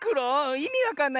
いみわかんない。